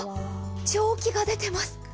蒸気が出てます。